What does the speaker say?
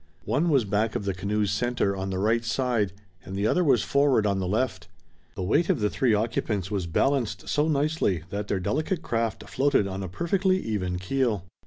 One was back of the canoe's center on the right side and the other was forward on the left. The weight of the three occupants was balanced so nicely that their delicate craft floated on a perfectly even keel.